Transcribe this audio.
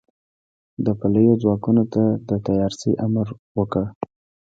د پلیو ځواکونو ته د تیارسئ امر وکړ.